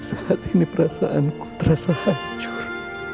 saat ini perasaanku terasa hancur